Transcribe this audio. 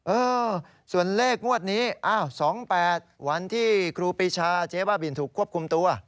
เออส่วนเลขงวดนี้อ้าว๒๘วันที่ครูปีชาเจ๊บ้าบินถูกควบคุมตัว